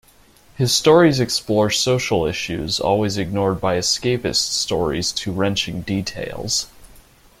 His stories explore social issues-always ignored by escapist stories-to wrenching details.